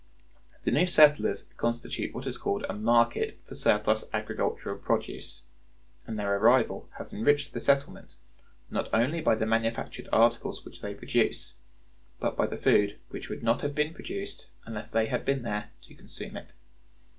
The new settlers constitute what is called a market for surplus agricultural produce; and their arrival has enriched the settlement, not only by the manufactured articles which they produce, but by the food which would not have been produced unless they had been there to consume it.